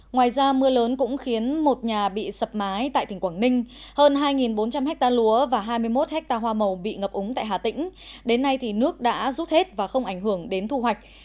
ngoài ra mưa lớn cũng khiến một nhà bị sập mái tại tỉnh quảng ninh hơn hai bốn trăm linh ha lúa và hai mươi một ha hoa màu bị ngập úng tại hà tĩnh đến nay thì nước đã rút hết và không ảnh hưởng đến thu hoạch